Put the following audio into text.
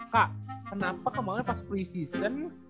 kak kenapa kemarin pas pre season